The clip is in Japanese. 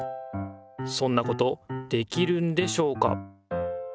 そんなことできるんでしょうか？